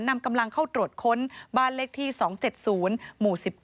นำกำลังเข้าตรวจค้นบ้านเลขที่๒๗๐หมู่๑๙